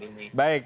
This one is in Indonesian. ya oke baik